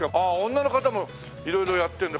女の方も色々やってるんだ。